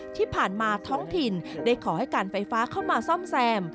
ที่ผ่านมาท้องถิ่นได้ขอให้การไฟฟ้าเข้ามาซ่อมแซม